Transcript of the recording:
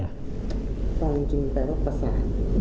เอาจริงแปลว่าประสาน